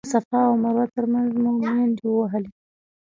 د صفا او مروه تر مینځ مو منډې ووهلې.